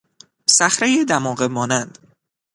صخرهی دماغه مانند